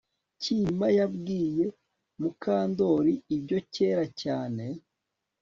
Kirima yabwiye Mukandoli ibyo kera cyane